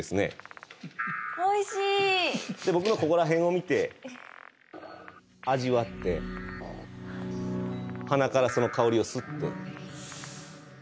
で僕のここら辺を見て味わって鼻からその香りを吸って。